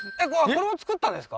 これを造ったんですか？